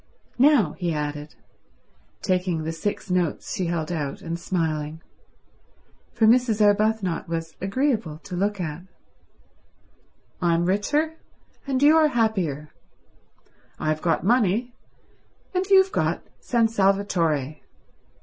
"Now," he added, taking the six notes she held out and smiling, for Mrs. Arbuthnot was agreeable to look at, "I'm richer, and you're happier. I've got money, and you've got San Salvatore.